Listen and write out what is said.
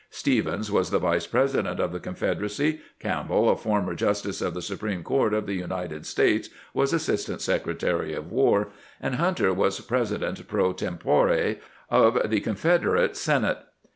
Stephens was the Vice President of the Confederacy; Campbell, a former justice of the Supreme Court of the United States, was Assistant Sec retary of "War ; and Hunter was president pro tempore GRANT RECEIVES THE " PEACE COMMISSIONERS" 383 of the Confederate Senate.